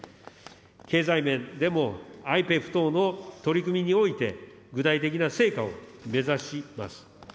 経済面でも、ＩＰＥＦ等の取り組みにおいて、具体的な成果を目指します。